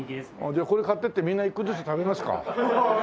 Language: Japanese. じゃあこれ買っていってみんな一個ずつ食べますか。